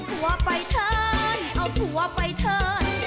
ผัวไปเถินเอาผัวไปเถิน